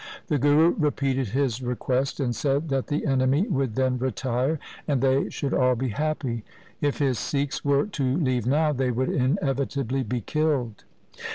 The Guru repeated his request, and said that the enemy would then retire, and they should all be happy. If his Sikhs were to leave now they would inevitably be killed.